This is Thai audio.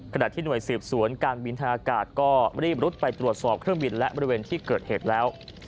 ขณะที่หน่วยสืบสวนการบินทางอากาศก็รีบรุดไปตรวจสอบเครื่องบินและบริเวณที่เกิดเหตุแล้ว